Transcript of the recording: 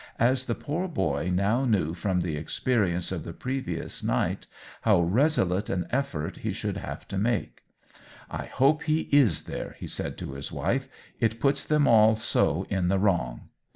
as the poor boy now knew from the experi ence of the previous night how resolute an OWEN WINGRAVK 219 effort he should have to make. " I hope he is there," he said to his wife ; "it puts them all so in the wrong